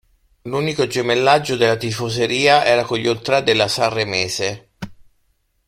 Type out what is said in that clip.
L'unico gemellaggio della tifoseria era con gli Ultrà della Sanremese